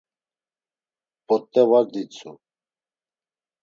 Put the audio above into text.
P̌ot̆e var ditsu.